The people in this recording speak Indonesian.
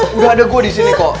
udah ada gue di sini kok